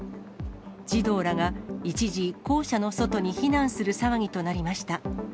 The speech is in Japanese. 児童らが一時校舎の外に避難する騒ぎとなりました。